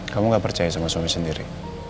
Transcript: kamu gak percaya sama suami sendiri